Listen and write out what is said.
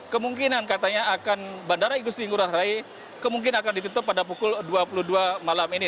kemungkinan katanya akan bandara igusti ngurah rai kemungkinan akan ditutup pada pukul dua puluh dua malam ini